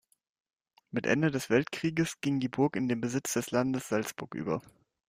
Mit Ende des Weltkrieges ging die Burg in den Besitz des Landes Salzburg über.